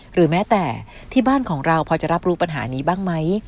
หรือแม้แต่ที่บ้านของเราพอจะรับรู้ปัญหานี้บ้างไหม